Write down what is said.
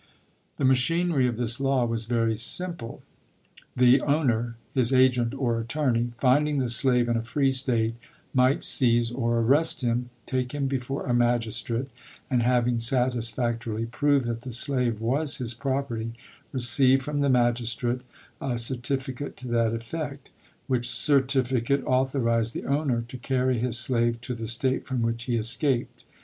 The machinery of this law was very simple. The owner, his agent or attorney, finding the slave in a free State, might seize or arrest him, take him be fore a magistrate, and, having satisfactorily proved that the slave was his property, receive from the magistrate a certificate to that effect ; which cer tificate authorized the owner to carry his slave* to the State from which he escaped.